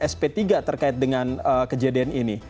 sp tiga terkait dengan kejadian ini